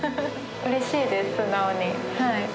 うれしいです、素直に。